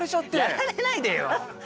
やられないでよ！